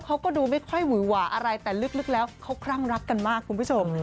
เขาก็ดูไม่ค่อยหวือหวาอะไรแต่ลึกแล้วเขาคลั่งรักกันมากคุณผู้ชม